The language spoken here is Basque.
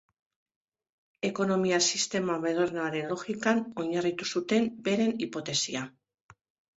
Ekonomia sistema modernoaren logikan oinarritu zuten beren hipotesia.